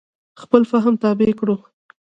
خپل فهم تابع کړو.